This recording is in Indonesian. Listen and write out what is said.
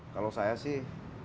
kalau saya sih